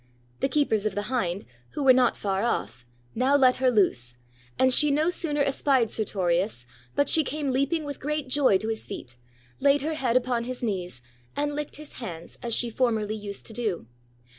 The keepers of the hind, who were not far off, now let her loose, and she no sooner espied Sertorius but she came leaping with great joy to his feet, laid her head upon his knees, and licked his hands, as she formerly used to do.